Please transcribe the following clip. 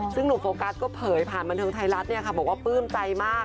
ซึ่งหนุ่มโฟกัสก็เผยผ่านบันเทิงไทยรัฐบอกว่าปลื้มใจมาก